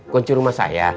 kunci rumah saya